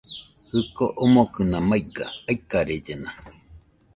Jɨko omokɨna maiga, aikarellena